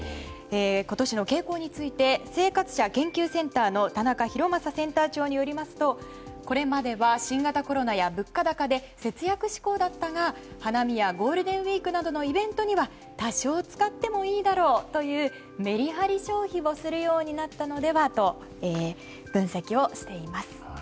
今年の傾向について生活者研究センターの田中宏昌センター長によりますとこれまでは新型コロナや物価高で節約志向だったが花見やゴールデンウィークなどのイベントには多少使ってもいいだろうというメリハリ消費をするようになったのではと分析をしています。